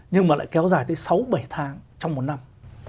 nhưng mà lại kéo dài tới sáu bảy tháng trong một năm